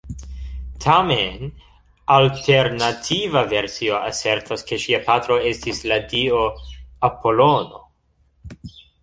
Tamen, alternativa versio asertas ke ŝia patro estis la dio Apolono.